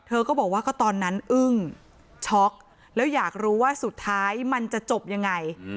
เธอก็บอกว่าก็ตอนนั้นอึ้งช็อกแล้วอยากรู้ว่าสุดท้ายมันจะจบยังไง